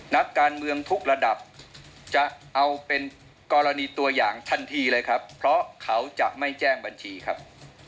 นักการเมืองทุกระดับจะเอาเป็นกรณีตัวอย่างทันทีเลยครับเพราะเขาจะไม่แจ้งบัญชีครับ